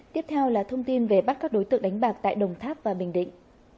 tiếp theo là thông tin về bắt các đối tượng đánh bạc tại đồng tháp và bình định